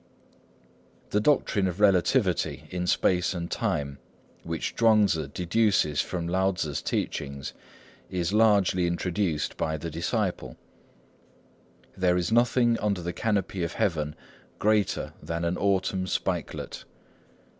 The doctrine of Relativity in space and time, which Chuang Tzŭ deduces from Lao Tzŭ's teachings, is largely introduced by the disciple. "There is nothing under the canopy of Heaven greater than an autumn spikelet.